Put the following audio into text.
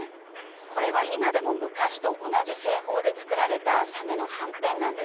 これは今でも昔と同じ製法で作られたサメのはんぺんなんです。